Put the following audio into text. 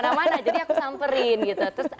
jadi aku samperin gitu